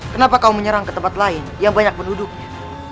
kenapa kau menyerang ke tempat lain yang banyak penduduknya